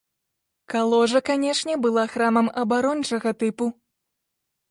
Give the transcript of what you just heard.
Каложа, канешне, была храмам абарончага тыпу.